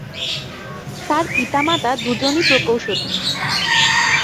তার পিতা-মাতা দুজনই প্রকৌশলী।